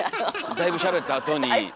だいぶしゃべったあとに。